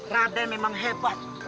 raden memang hebat